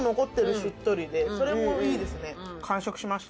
それもいいですね。